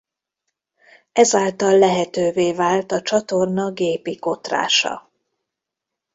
Ezáltal lehetővé vált a csatorna gépi kotrása.